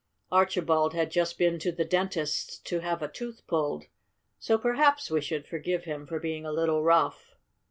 Archibald had just been to the dentist's to have a tooth pulled, so perhaps we should forgive him for being a little rough.